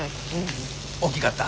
大きかった？